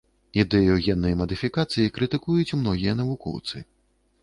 Ідэю геннай мадыфікацыі крытыкуюць многія навукоўцы.